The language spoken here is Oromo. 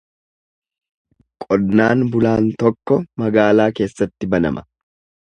Qonnaan bulaan tokko magaalaa keessatti banama.